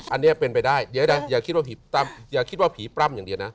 อันนี้เป็นไปได้เดี๋ยวเราจะหยังคิดผีปั้่มอย่างเดียวนะ